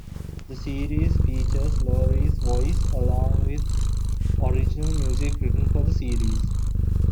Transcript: The series features Laurie's voice, along with original music written for the series.